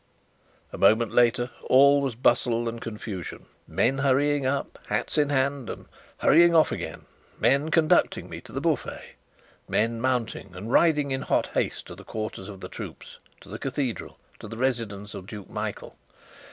A moment later, all was bustle and confusion: men hurrying up, hats in hand, and hurrying off again; men conducting me to the buffet; men mounting and riding in hot haste to the quarters of the troops, to the Cathedral, to the residence of Duke Michael.